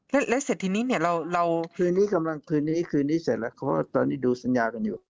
แล้วเสร็จทีนี้เนี่ยคืนนี้เสร็จแล้วเพราะตอนนี้ดูสัญญากันอยู่